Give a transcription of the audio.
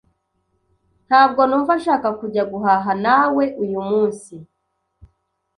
Ntabwo numva nshaka kujya guhaha nawe uyu munsi.